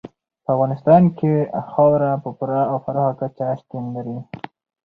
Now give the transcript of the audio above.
په افغانستان کې خاوره په پوره او پراخه کچه شتون لري.